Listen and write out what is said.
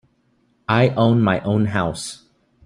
I own my own house.